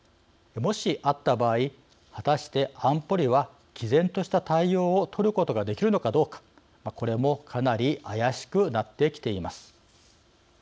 もし、あった場合果たして安保理はきぜんとした対応を取ることができるのかどうかこれも、かなり怪しくなってきています。